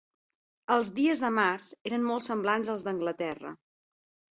Els dies de març eren molt semblants als d'Anglaterra